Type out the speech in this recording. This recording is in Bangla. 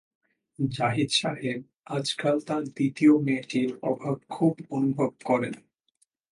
জাহিদ সাহেব আজকাল তাঁর দ্বিতীয় মেয়েটির অভাব খুব অনুভব করেন।